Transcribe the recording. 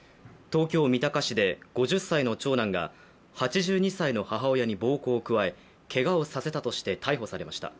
東京・三鷹市で、５０歳の長男が８２歳の母親に暴行を加えけがをさせたとして逮捕されました。